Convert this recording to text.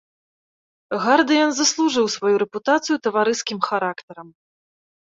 Гардыян заслужыў сваю рэпутацыю таварыскім характарам.